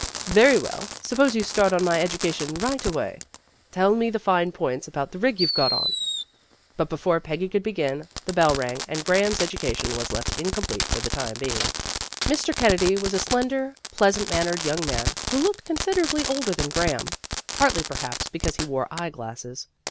"Very well. Suppose you start on my edu . cation right away. Tell me the fine points about the rig you've got on." But before 290 PEGGY RAYMOND'S WAY Peggy could begin, the bell rang, and Graham 's education was left incomplete for the time being. Mr. Kennedy was a slender, pleasant mannered young man, who looked considerably older than Graham, partly perhaps, because he wore eye glasses.